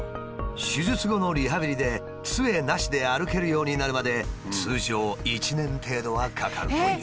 手術後のリハビリでつえなしで歩けるようになるまで通常１年程度はかかるという。